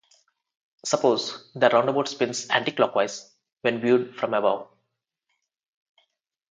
Suppose the roundabout spins anticlockwise when viewed from above.